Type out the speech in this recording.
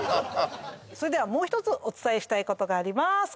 それではもう１つお伝えしたいことがありまーす